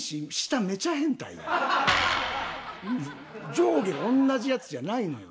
上下同じやつじゃないのよ。